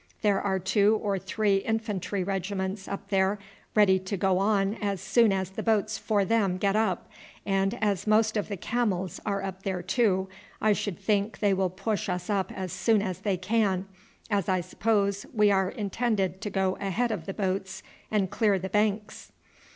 There are two or three infantry regiments up there ready to go on as soon as the boats for them get up; and as most of the camels are up there too, I should think they will push us up as soon as they can, as I suppose we are intended to go ahead of the boats and clear the banks."